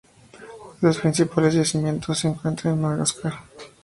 Los principales yacimientos se encuentran en Madagascar.